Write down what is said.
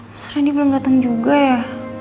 mas reni belum dateng juga ya